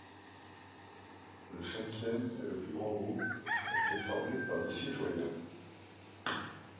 Le cinquième et plus grand groupe était formé par les citoyens.